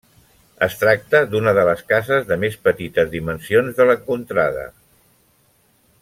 Es tracta d'una de les cases de més petites dimensions de l'encontrada.